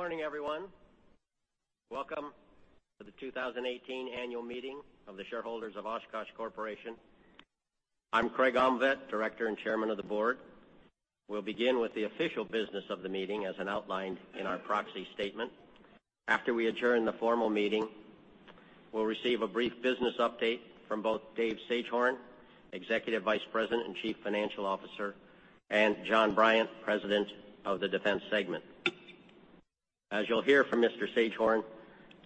Good morning, everyone. Welcome to the 2018 Annual Meeting of the Shareholders of Oshkosh Corporation. I'm Craig Omtvedt, Director and Chairman of the Board. We'll begin with the official business of the meeting as outlined in our proxy statement. After we adjourn the formal meeting, we'll receive a brief business update from both Dave Sagehorn, Executive Vice President and Chief Financial Officer, and John Bryant, President of the Defense Segment. As you'll hear from Mr. Sagehorn,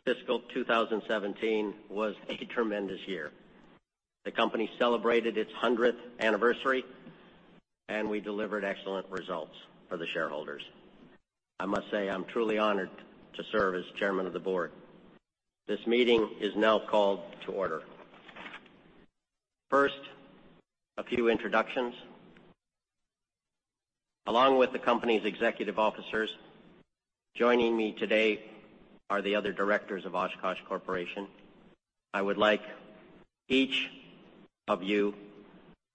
fiscal 2017 was a tremendous year. The company celebrated its 100th anniversary, and we delivered excellent results for the shareholders. I must say I'm truly honored to serve as Chairman of the Board. This meeting is now called to order. First, a few introductions. Along with the company's executive officers, joining me today are the other directors of Oshkosh Corporation. I would like each of you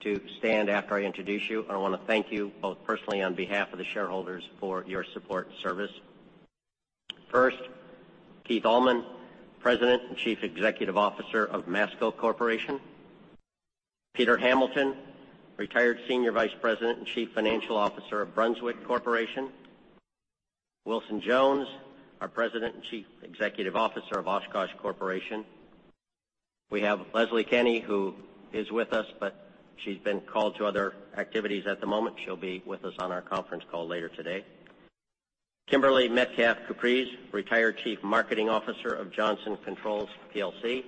to stand after I introduce you, and I want to thank you both personally on behalf of the shareholders for your support and service. First, Keith Allman, President and Chief Executive Officer of Masco Corporation. Peter Hamilton, retired Senior Vice President and Chief Financial Officer of Brunswick Corporation. Wilson Jones, our President and Chief Executive Officer of Oshkosh Corporation. We have Leslie Kenne, who is with us, but she's been called to other activities at the moment. She'll be with us on our conference call later today. Kimberly Metcalf-Kupres, retired Chief Marketing Officer of Johnson Controls PLC.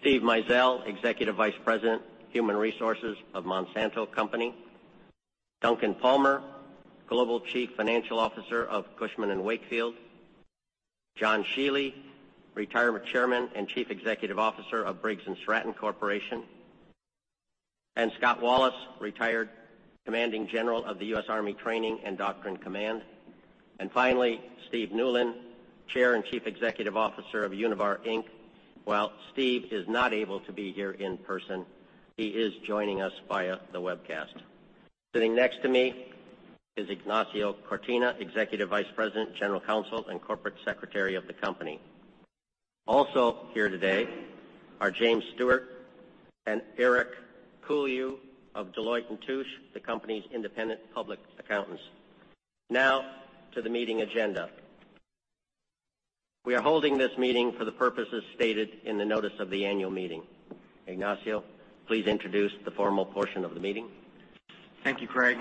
Steve Mizell, Executive Vice President, Human Resources of Monsanto Company. Duncan Palmer, Global Chief Financial Officer of Cushman & Wakefield. John Shiely, Retired Chairman and Chief Executive Officer of Briggs & Stratton Corporation. And Scott Wallace, Retired Commanding General of the U.S. Army Training and Doctrine Command. And finally, Steve Newlin, Chair and Chief Executive Officer of Univar Inc. Well, Steve is not able to be here in person. He is joining us via the webcast. Sitting next to me is Ignacio Cortina, Executive Vice President, General Counsel, and Corporate Secretary of the company. Also here today are James Stewart and Eric Koehl of Deloitte & Touche, the company's independent public accountants. Now to the meeting agenda. We are holding this meeting for the purposes stated in the notice of the annual meeting. Ignacio, please introduce the formal portion of the meeting. Thank you, Craig.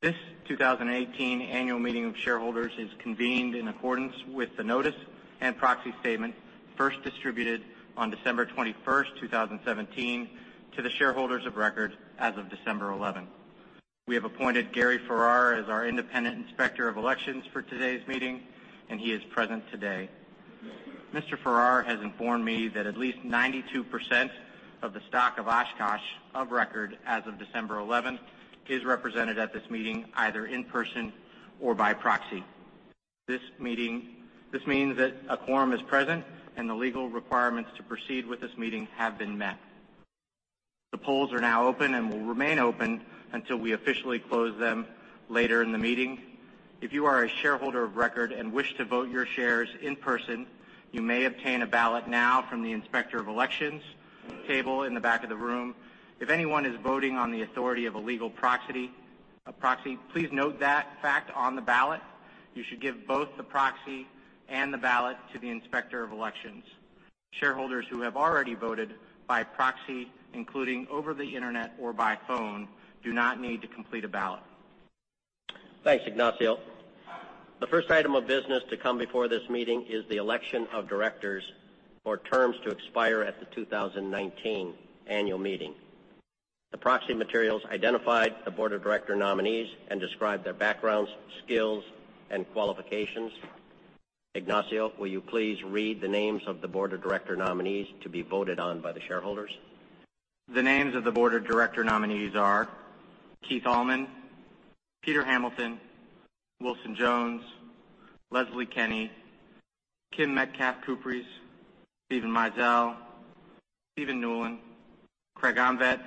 This 2018 annual meeting of shareholders is convened in accordance with the notice and proxy statement first distributed on December 21st, 2017, to the shareholders of record as of December 11th. We have appointed Gary Farrar as our Independent Inspector of Elections for today's meeting, and he is present today. Mr. Farrar has informed me that at least 92% of the stock of Oshkosh of record as of December 11 is represented at this meeting either in person or by proxy. This means that a quorum is present and the legal requirements to proceed with this meeting have been met. The polls are now open and will remain open until we officially close them later in the meeting. If you are a shareholder of record and wish to vote your shares in person, you may obtain a ballot now from the Inspector of Elections table in the back of the room. If anyone is voting on the authority of a legal proxy, please note that fact on the ballot. You should give both the proxy and the ballot to the Inspector of Elections. Shareholders who have already voted by proxy, including over the internet or by phone, do not need to complete a ballot. Thanks, Ignacio. The first item of business to come before this meeting is the election of directors for terms to expire at the 2019 annual meeting. The proxy materials identified the Board of Directors nominees and described their backgrounds, skills, and qualifications. Ignacio, will you please read the names of the Board of Directors nominees to be voted on by the shareholders? The names of the Board of Directors nominees are Keith Allman, Peter Hamilton, Wilson Jones, Leslie Kenne, Kim Metcalf-Kupres, Steven Mizell, Stephen Newlin, Craig Omtvedt,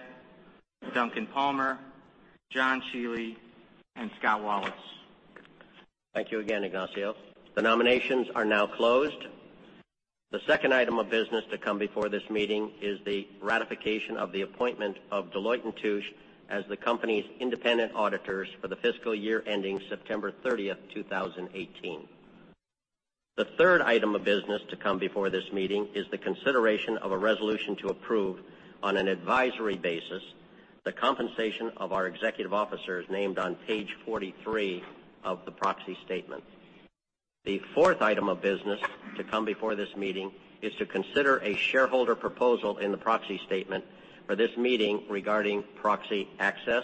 Duncan Palmer, John Shiely, and Scott Wallace. Thank you again, Ignacio. The nominations are now closed. The second item of business to come before this meeting is the ratification of the appointment of Deloitte & Touche as the company's independent auditors for the fiscal year ending September 30th, 2018. The third item of business to come before this meeting is the consideration of a resolution to approve on an advisory basis the compensation of our executive officers named on page 43 of the proxy statement. The fourth item of business to come before this meeting is to consider a shareholder proposal in the proxy statement for this meeting regarding proxy access,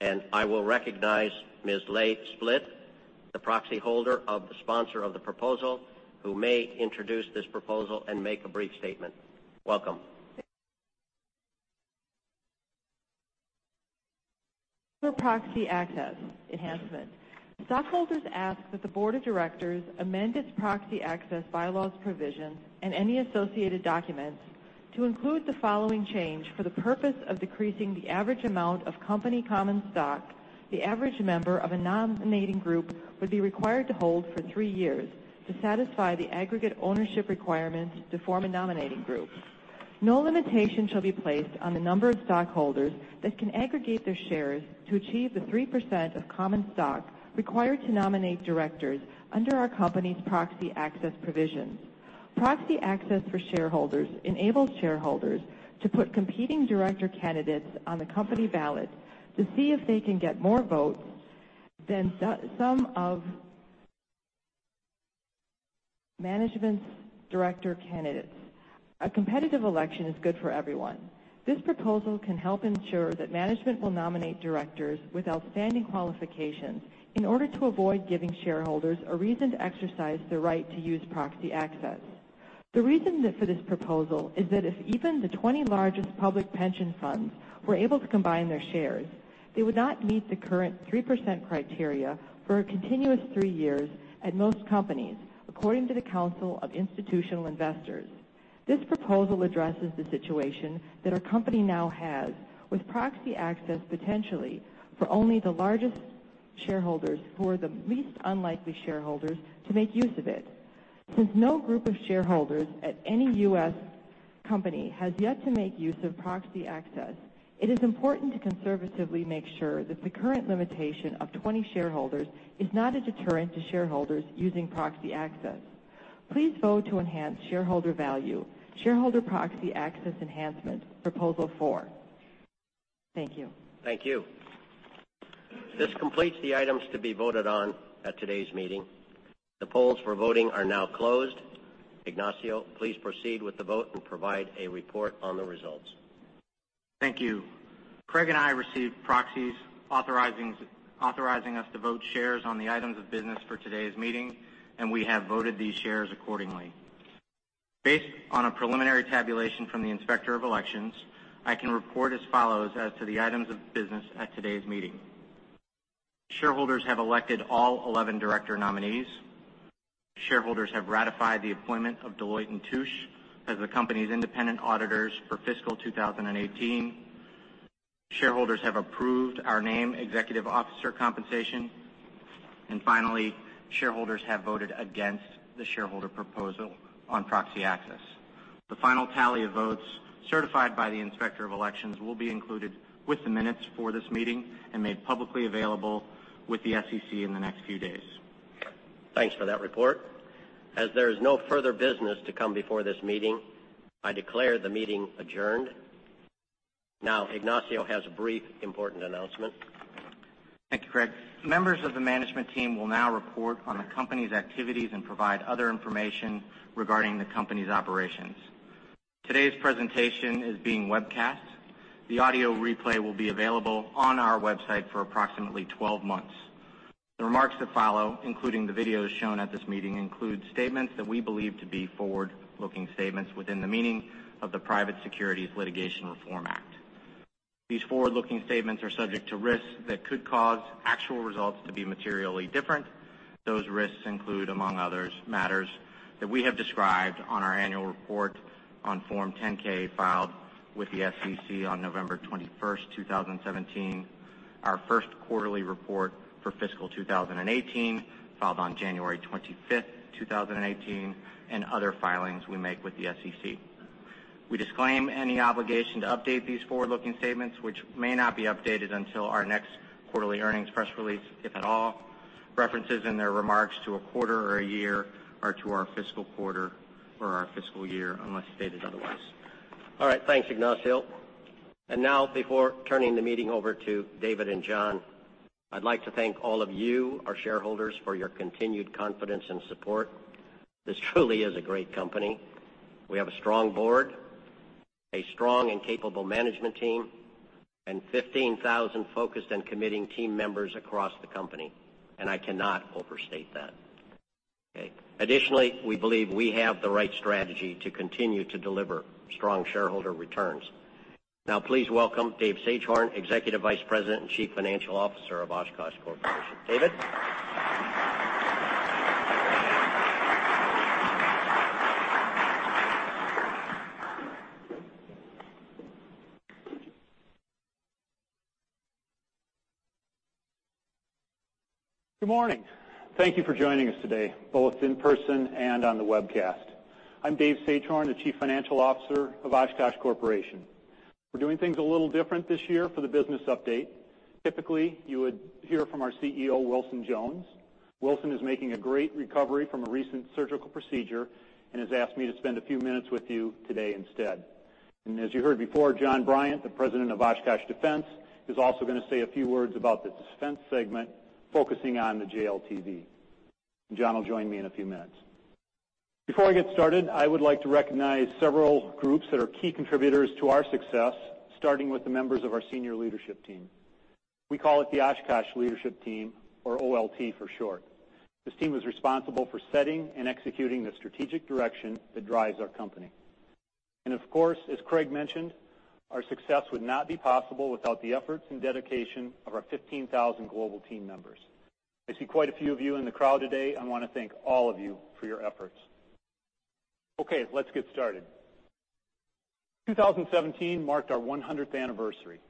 and I will recognize Ms. Leigh Splitt, the proxy holder of the sponsor of the proposal, who may introduce this proposal and make a brief statement. Welcome. For proxy access enhancement, stockholders ask that the Board of Directors amend its proxy access bylaws provisions and any associated documents to include the following change: for the purpose of decreasing the average amount of company common stock, the average member of a nominating group would be required to hold for three years to satisfy the aggregate ownership requirements to form a nominating group. No limitation shall be placed on the number of stockholders that can aggregate their shares to achieve the 3% of common stock required to nominate directors under our company's proxy access provisions. Proxy access for shareholders enables shareholders to put competing director candidates on the company ballot to see if they can get more votes than some of management's director candidates. A competitive election is good for everyone. This proposal can help ensure that management will nominate directors with outstanding qualifications in order to avoid giving shareholders a reason to exercise their right to use proxy access. The reason for this proposal is that if even the 20 largest public pension funds were able to combine their shares, they would not meet the current 3% criteria for a continuous three years at most companies, according to the Council of Institutional Investors. This proposal addresses the situation that our company now has, with proxy access potentially for only the largest shareholders who are the least unlikely shareholders to make use of it. Since no group of shareholders at any U.S. company has yet to make use of proxy access, it is important to conservatively make sure that the current limitation of 20 shareholders is not a deterrent to shareholders using proxy access. Please vote to enhance shareholder value. Shareholder proxy access enhancement, Proposal 4. Thank you. Thank you. This completes the items to be voted on at today's meeting. The polls for voting are now closed. Ignacio, please proceed with the vote and provide a report on the results. Thank you. Craig and I received proxies authorizing us to vote shares on the items of business for today's meeting, and we have voted these shares accordingly. Based on a preliminary tabulation from the Inspector of Elections, I can report as follows as to the items of business at today's meeting. Shareholders have elected all 11 director nominees. Shareholders have ratified the appointment of Deloitte & Touche as the company's independent auditors for fiscal 2018. Shareholders have approved named executive officer compensation, and finally, shareholders have voted against the shareholder proposal on proxy access. The final tally of votes certified by the Inspector of Elections will be included with the minutes for this meeting and made publicly available with the SEC in the next few days. Thanks for that report. As there is no further business to come before this meeting, I declare the meeting adjourned. Now, Ignacio has a brief important announcement. Thank you, Craig. Members of the management team will now report on the company's activities and provide other information regarding the company's operations. Today's presentation is being webcast. The audio replay will be available on our website for approximately 12 months. The remarks that follow, including the videos shown at this meeting, include statements that we believe to be forward-looking statements within the meaning of the Private Securities Litigation Reform Act. These forward-looking statements are subject to risks that could cause actual results to be materially different. Those risks include, among others, matters that we have described on our annual report on Form 10-K filed with the SEC on November 21st, 2017, our first quarterly report for fiscal 2018 filed on January 25th, 2018, and other filings we make with the SEC. We disclaim any obligation to update these forward-looking statements, which may not be updated until our next quarterly earnings press release, if at all. References in their remarks to a quarter or a year are to our fiscal quarter or our fiscal year, unless stated otherwise. All right. Thanks, Ignacio. And now, before turning the meeting over to David and John, I'd like to thank all of you, our shareholders, for your continued confidence and support. This truly is a great company. We have a strong board, a strong and capable management team, and 15,000 focused and committing team members across the company, and I cannot overstate that. Okay. Additionally, we believe we have the right strategy to continue to deliver strong shareholder returns. Now, please welcome Dave Sagehorn, Executive Vice President and Chief Financial Officer of Oshkosh Corporation. David. Good morning. Thank you for joining us today, both in person and on the webcast. I'm Dave Sagehorn, the Chief Financial Officer of Oshkosh Corporation. We're doing things a little different this year for the business update. Typically, you would hear from our CEO, Wilson Jones. Wilson is making a great recovery from a recent surgical procedure and has asked me to spend a few minutes with you today instead. As you heard before, John Bryant, the President of Oshkosh Defense, is also going to say a few words about the defense segment, focusing on the JLTV. John will join me in a few minutes. Before I get started, I would like to recognize several groups that are key contributors to our success, starting with the members of our senior leadership team. We call it the Oshkosh Leadership Team, or OLT for short. This team is responsible for setting and executing the strategic direction that drives our company. Of course, as Craig mentioned, our success would not be possible without the efforts and dedication of our 15,000 global team members. I see quite a few of you in the crowd today. I want to thank all of you for your efforts. Okay, let's get started. 2017 marked our 100th anniversary.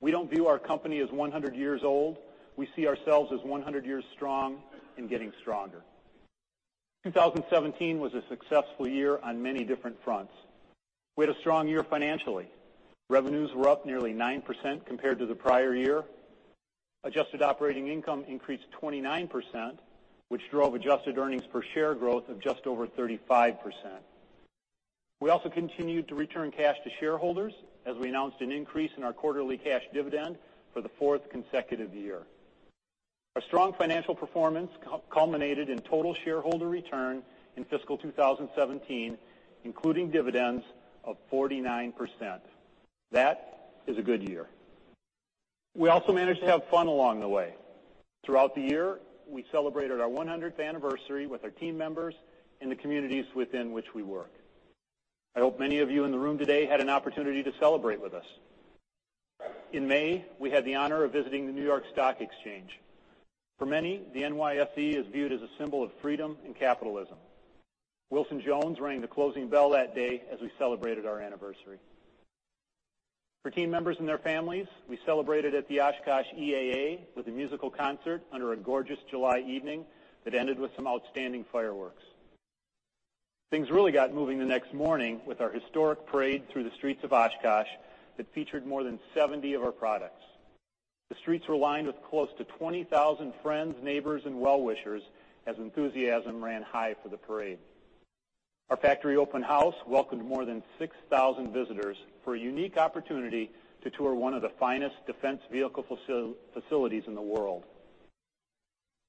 We don't view our company as 100 years old. We see ourselves as 100 years strong and getting stronger. 2017 was a successful year on many different fronts. We had a strong year financially. Revenues were up nearly 9% compared to the prior year. Adjusted operating income increased 29%, which drove adjusted earnings per share growth of just over 35%. We also continued to return cash to shareholders as we announced an increase in our quarterly cash dividend for the fourth consecutive year. Our strong financial performance culminated in total shareholder return in fiscal 2017, including dividends of 49%. That is a good year. We also managed to have fun along the way. Throughout the year, we celebrated our 100th anniversary with our team members and the communities within which we work. I hope many of you in the room today had an opportunity to celebrate with us. In May, we had the honor of visiting the New York Stock Exchange. For many, the NYSE is viewed as a symbol of freedom and capitalism. Wilson Jones rang the closing bell that day as we celebrated our anniversary. For team members and their families, we celebrated at the Oshkosh EAA with a musical concert under a gorgeous July evening that ended with some outstanding fireworks. Things really got moving the next morning with our historic parade through the streets of Oshkosh that featured more than 70 of our products. The streets were lined with close to 20,000 friends, neighbors, and well-wishers as enthusiasm ran high for the parade. Our factory open house welcomed more than 6,000 visitors for a unique opportunity to tour one of the finest defense vehicle facilities in the world.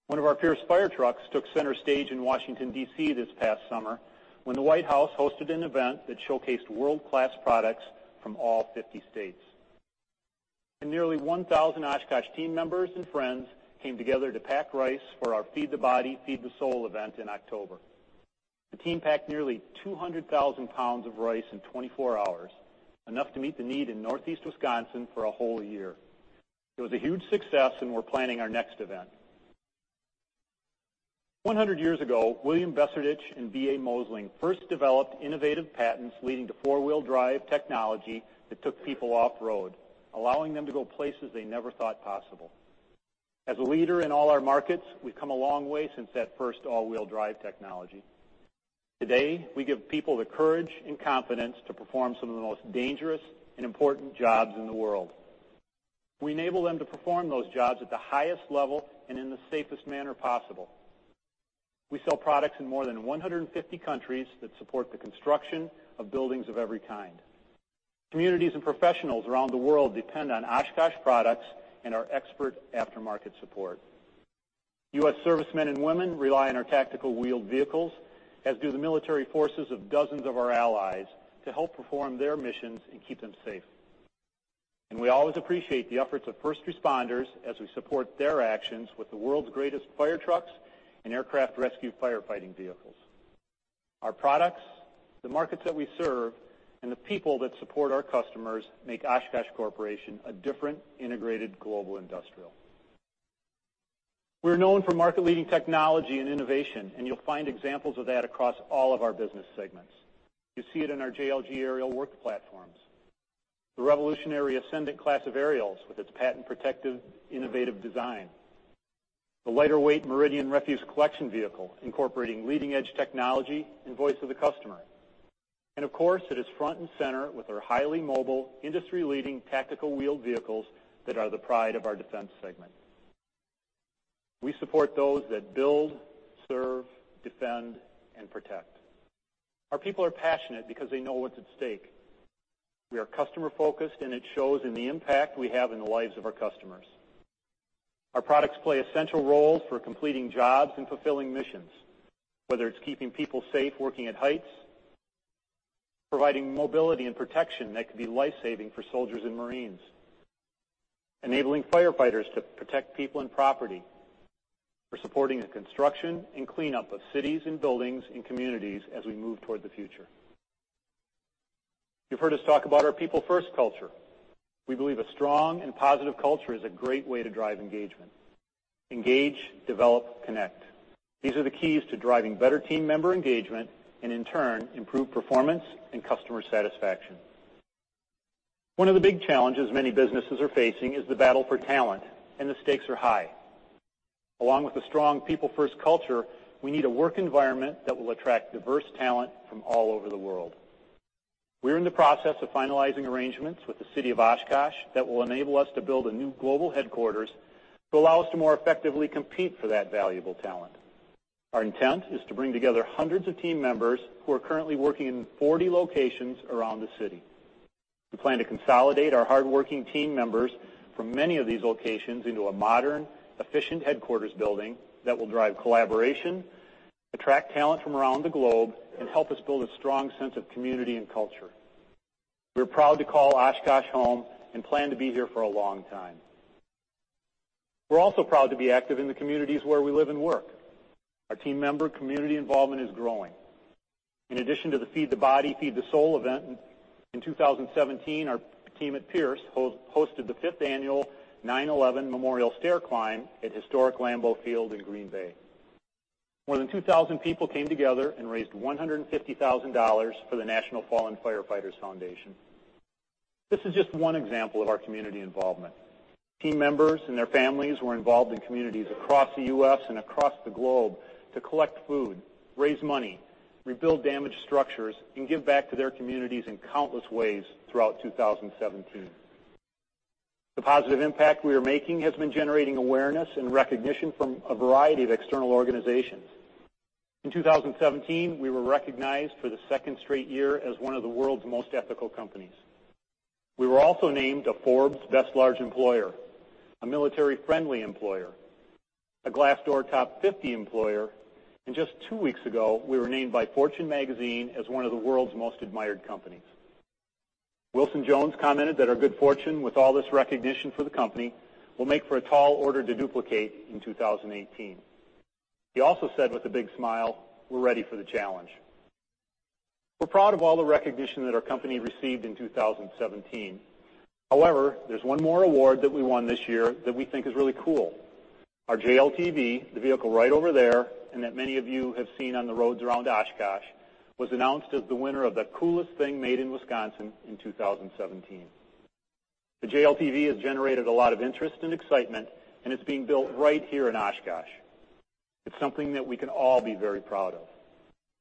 One of our Pierce fire trucks took center stage in Washington, D.C., this past summer when the White House hosted an event that showcased world-class products from all 50 states. Nearly 1,000 Oshkosh team members and friends came together to pack rice for our Feed the Body, Feed the Soul event in October. The team packed nearly 200,000 pounds of rice in 24 hours, enough to meet the need in Northeast Wisconsin for a whole year. It was a huge success, and we're planning our next event. 100 years ago, William Besserdich and B.A. Mosling first developed innovative patents leading to four-wheel drive technology that took people off-road, allowing them to go places they never thought possible. As a leader in all our markets, we've come a long way since that first all-wheel drive technology. Today, we give people the courage and confidence to perform some of the most dangerous and important jobs in the world. We enable them to perform those jobs at the highest level and in the safest manner possible. We sell products in more than 150 countries that support the construction of buildings of every kind. Communities and professionals around the world depend on Oshkosh products and our expert aftermarket support. U.S. servicemen and women rely on our tactical wheeled vehicles, as do the military forces of dozens of our allies, to help perform their missions and keep them safe. We always appreciate the efforts of first responders as we support their actions with the world's greatest fire trucks and aircraft rescue firefighting vehicles. Our products, the markets that we serve, and the people that support our customers make Oshkosh Corporation a different, integrated, global industrial. We're known for market-leading technology and innovation, and you'll find examples of that across all of our business segments. You see it in our JLG aerial work platforms, the revolutionary Ascendant Class of aerials with its patent-protected, innovative design, the lighter-weight Meridian Refuse Collection Vehicle incorporating leading-edge technology and voice of the customer. Of course, it is front and center with our highly mobile, industry-leading tactical wheeled vehicles that are the pride of our defense segment. We support those that build, serve, defend, and protect. Our people are passionate because they know what's at stake. We are customer-focused, and it shows in the impact we have in the lives of our customers. Our products play essential roles for completing jobs and fulfilling missions, whether it's keeping people safe working at heights, providing mobility and protection that could be lifesaving for soldiers and Marines, enabling firefighters to protect people and property, or supporting the construction and cleanup of cities and buildings and communities as we move toward the future. You've heard us talk about our people-first culture. We believe a strong and positive culture is a great way to drive engagement. Engage, develop, connect. These are the keys to driving better team member engagement and, in turn, improved performance and customer satisfaction. One of the big challenges many businesses are facing is the battle for talent, and the stakes are high. Along with a strong people-first culture, we need a work environment that will attract diverse talent from all over the world. We're in the process of finalizing arrangements with the city of Oshkosh that will enable us to build a new global headquarters to allow us to more effectively compete for that valuable talent. Our intent is to bring together hundreds of team members who are currently working in 40 locations around the city. We plan to consolidate our hardworking team members from many of these locations into a modern, efficient headquarters building that will drive collaboration, attract talent from around the globe, and help us build a strong sense of community and culture. We're proud to call Oshkosh home and plan to be here for a long time. We're also proud to be active in the communities where we live and work. Our team member community involvement is growing. In addition to the Feed the Body, Feed the Soul event, in 2017, our team at Pierce hosted the fifth annual 9/11 Memorial Stair Climb at Historic Lambeau Field in Green Bay. More than 2,000 people came together and raised $150,000 for the National Fallen Firefighters Foundation. This is just one example of our community involvement. Team members and their families were involved in communities across the U.S. Across the globe to collect food, raise money, rebuild damaged structures, and give back to their communities in countless ways throughout 2017. The positive impact we are making has been generating awareness and recognition from a variety of external organizations. In 2017, we were recognized for the second straight year as one of the world's most ethical companies. We were also named a Forbes Best Large Employer, a military-friendly employer, a Glassdoor Top 50 employer, and just two weeks ago, we were named by Fortune Magazine as one of the world's most admired companies. Wilson Jones commented that our good fortune with all this recognition for the company will make for a tall order to duplicate in 2018. He also said with a big smile, "We're ready for the challenge." We're proud of all the recognition that our company received in 2017. However, there's one more award that we won this year that we think is really cool. Our JLTV, the vehicle right over there and that many of you have seen on the roads around Oshkosh, was announced as the winner of the Coolest Thing Made in Wisconsin in 2017. The JLTV has generated a lot of interest and excitement, and it's being built right here in Oshkosh. It's something that we can all be very proud of.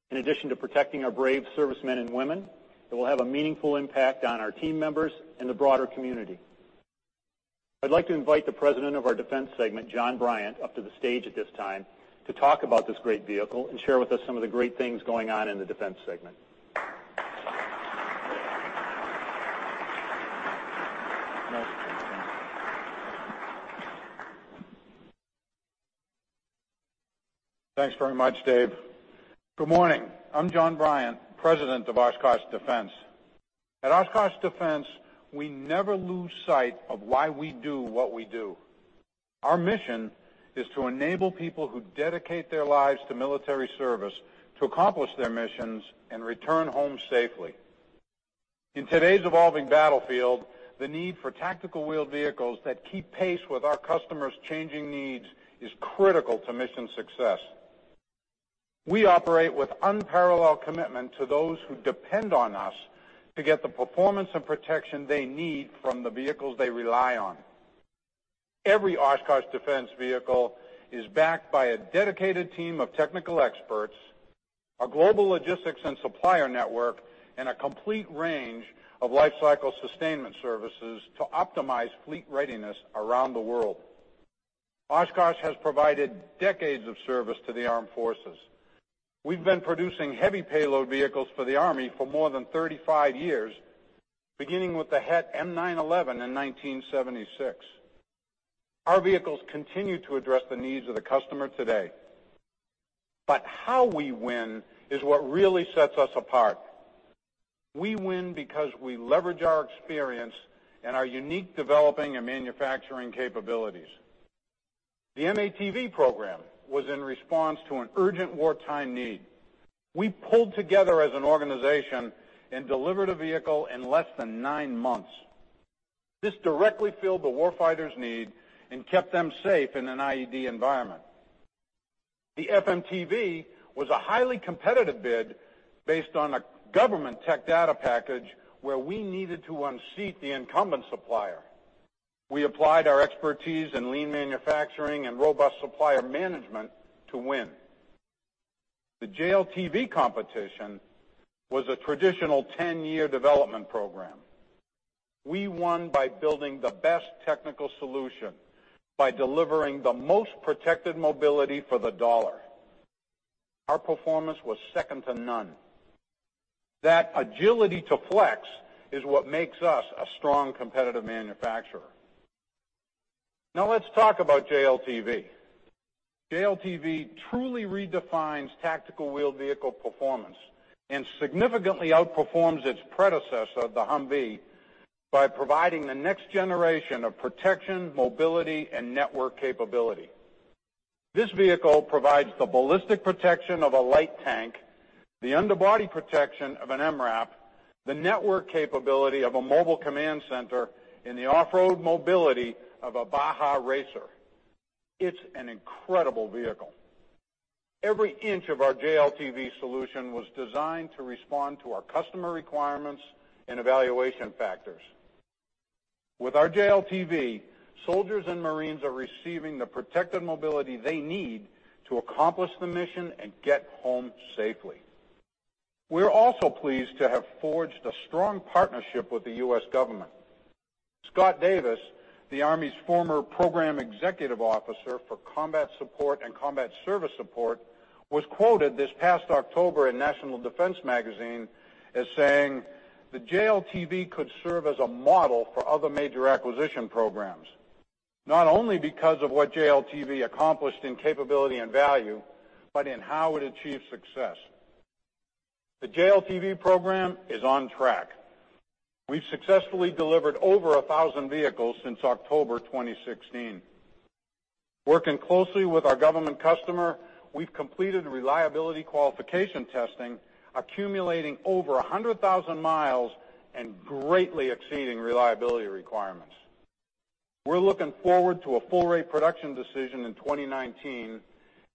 In addition to protecting our brave servicemen and women, it will have a meaningful impact on our team members and the broader community. I'd like to invite the President of our defense segment, John Bryant, up to the stage at this time to talk about this great vehicle and share with us some of the great things going on in the defense segment. Thanks very much, Dave. Good morning. I'm John Bryant, President of Oshkosh Defense. At Oshkosh Defense, we never lose sight of why we do what we do. Our mission is to enable people who dedicate their lives to military service to accomplish their missions and return home safely. In today's evolving battlefield, the need for tactical wheeled vehicles that keep pace with our customers' changing needs is critical to mission success. We operate with unparalleled commitment to those who depend on us to get the performance and protection they need from the vehicles they rely on. Every Oshkosh Defense vehicle is backed by a dedicated team of technical experts, a global logistics and supplier network, and a complete range of lifecycle sustainment services to optimize fleet readiness around the world. Oshkosh has provided decades of service to the armed forces. We've been producing heavy payload vehicles for the Army for more than 35 years, beginning with the M911 HET in 1976. Our vehicles continue to address the needs of the customer today. But how we win is what really sets us apart. We win because we leverage our experience and our unique developing and manufacturing capabilities. The M-ATV program was in response to an urgent wartime need. We pulled together as an organization and delivered a vehicle in less than nine months. This directly filled the warfighter's need and kept them safe in an IED environment. The FMTV was a highly competitive bid based on a government tech data package where we needed to unseat the incumbent supplier. We applied our expertise in lean manufacturing and robust supplier management to win. The JLTV competition was a traditional 10-year development program. We won by building the best technical solution, by delivering the most protected mobility for the dollar. Our performance was second to none. That agility to flex is what makes us a strong competitive manufacturer. Now let's talk about JLTV. JLTV truly redefines tactical wheeled vehicle performance and significantly outperforms its predecessor, the Humvee, by providing the next generation of protection, mobility, and network capability. This vehicle provides the ballistic protection of a light tank, the underbody protection of an MRAP, the network capability of a mobile command center, and the off-road mobility of a Baja racer. It's an incredible vehicle. Every inch of our JLTV solution was designed to respond to our customer requirements and evaluation factors. With our JLTV, soldiers and Marines are receiving the protected mobility they need to accomplish the mission and get home safely. We're also pleased to have forged a strong partnership with the U.S. government. Scott Davis, the Army's former program executive officer for combat support and combat service support, was quoted this past October in National Defense Magazine as saying, "The JLTV could serve as a model for other major acquisition programs, not only because of what JLTV accomplished in capability and value, but in how it achieved success." The JLTV program is on track. We've successfully delivered over 1,000 vehicles since October 2016. Working closely with our government customer, we've completed reliability qualification testing, accumulating over 100,000 miles and greatly exceeding reliability requirements. We're looking forward to a full-rate production decision in 2019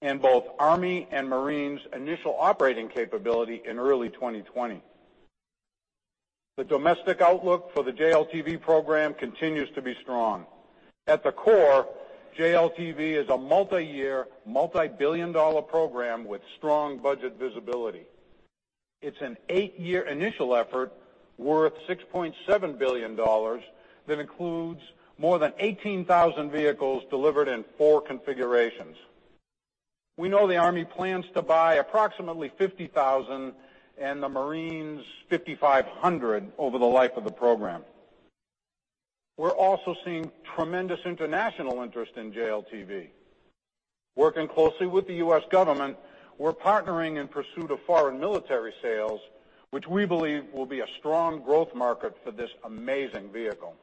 and both Army and Marines' initial operating capability in early 2020. The domestic outlook for the JLTV program continues to be strong. At the core, JLTV is a multi-year, multi-billion-dollar program with strong budget visibility. It's an eight year initial effort worth $6.7 billion that includes more than 18,000 vehicles delivered in four configurations. We know the Army plans to buy approximately 50,000 and the Marines 5,500 over the life of the program. We're also seeing tremendous international interest in JLTV. Working closely with the U.S. government, we're partnering in pursuit of foreign military sales, which we believe will be a strong growth market for this amazing vehicle.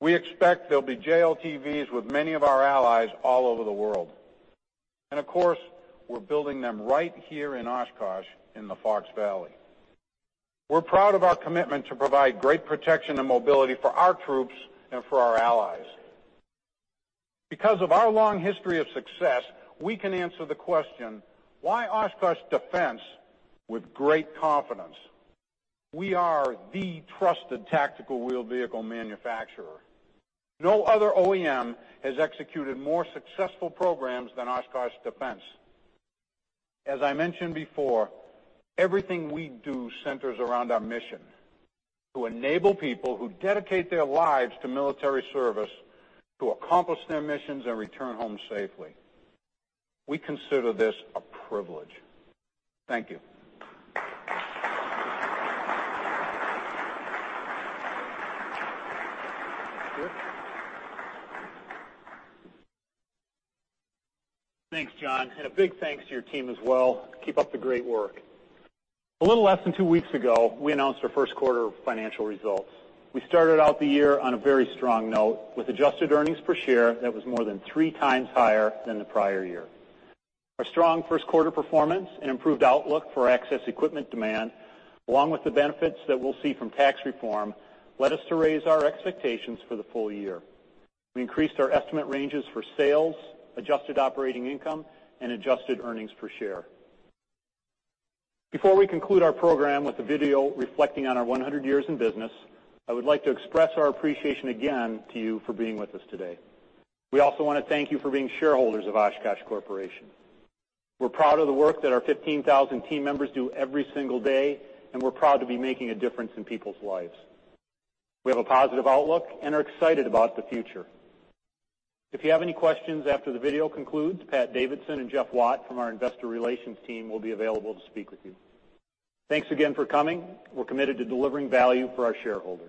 We expect there'll be JLTVs with many of our allies all over the world. And of course, we're building them right here in Oshkosh in the Fox Valley. We're proud of our commitment to provide great protection and mobility for our troops and for our allies. Because of our long history of success, we can answer the question, "Why Oshkosh Defense?" with great confidence. We are the trusted tactical wheeled vehicle manufacturer. No other OEM has executed more successful programs than Oshkosh Defense. As I mentioned before, everything we do centers around our mission to enable people who dedicate their lives to military service to accomplish their missions and return home safely. We consider this a privilege. Thank you. Thanks, John. A big thanks to your team as well. Keep up the great work. A little less than two weeks ago, we announced our first quarter financial results. We started out the year on a very strong note with adjusted earnings per share that was more than 3x higher than the prior year. Our strong first quarter performance and improved outlook for access equipment demand, along with the benefits that we'll see from tax reform, led us to raise our expectations for the full year. We increased our estimate ranges for sales, adjusted operating income, and adjusted earnings per share. Before we conclude our program with a video reflecting on our 100 years in business, I would like to express our appreciation again to you for being with us today. We also want to thank you for being shareholders of Oshkosh Corporation. We're proud of the work that our 15,000 team members do every single day, and we're proud to be making a difference in people's lives. We have a positive outlook and are excited about the future. If you have any questions after the video concludes, Pat Davidson and Jeff Watt from our Investor Relations team will be available to speak with you. Thanks again for coming. We're committed to delivering value for our shareholders.